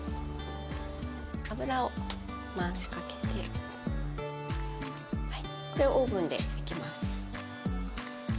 油を回しかけてこれをオーブンで焼きます。